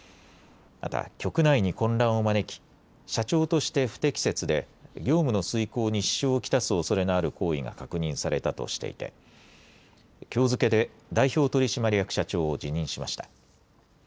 また、局内に混乱を招き社長として不適切で業務の遂行に支障をきたすおそれのある行為が確認されたとしていてきょう付けで代表取締役社長を辞任しました。